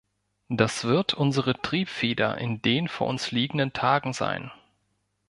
Das wird unsere Triebfeder in den vor uns liegenden Tagen sein.